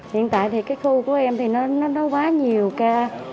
hiện tại thì cái khu của em thì nó đấu bá nhiều ca